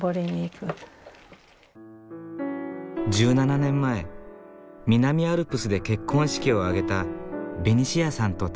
１７年前南アルプスで結婚式を挙げたベニシアさんと正さん。